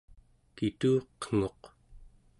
kituqenguq